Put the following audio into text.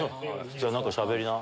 じゃあ何かしゃべりな。